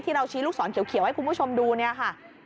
เราชี้ลูกศรเขียวให้คุณผู้ชมดูเนี่ยค่ะ